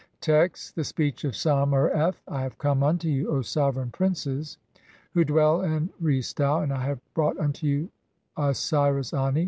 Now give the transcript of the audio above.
III. Text : [The Speech of Sa mer f] "I have come unto you, "O sovereign princes who dwell in Re stau, and I have brought "unto you Osiris (2) Ani.